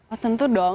oh tentu dong